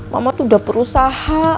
mama tuh udah berusaha